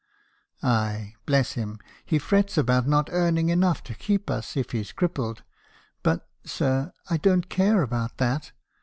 "'Aye, bless him! he frets about not earning enough to keep us, if he's crippled; but, sir, I don't care about that.